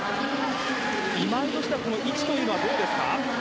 今井としてはこの位置はどうですか？